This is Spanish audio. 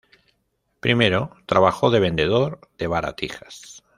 Primero trabajó de vendedor de baratijas.